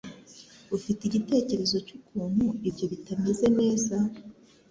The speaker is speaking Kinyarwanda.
Ufite igitekerezo cyukuntu ibyo bitameze neza?